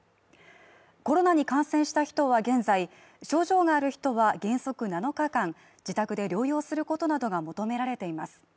コロナに感染した人は現在症状がある人は原則７日間自宅で療養することなどが求められています。